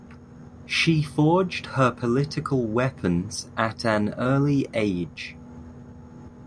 She forged her political weapons at an early age.